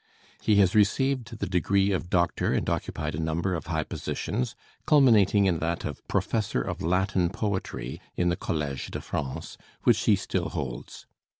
He has received the degree of Doctor, and occupied a number of high positions, culminating in that of professor of Latin poetry in the Collège de France, which he still holds.